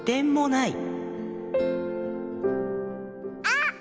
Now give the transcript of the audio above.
あっ！